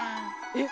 えっ。